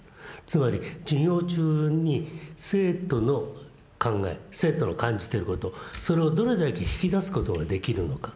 つまり授業中に生徒の考え生徒の感じてることそれをどれだけ引き出すことができるのか。